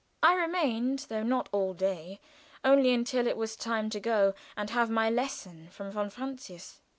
I remained, though not all day; only until it was time to go and have my lesson from von Francius.